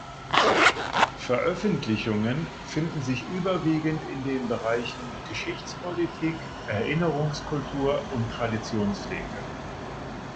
Veröffentlichungen finden sich überwiegend in den Bereichen Geschichtspolitik, Erinnerungskultur und Traditionspflege.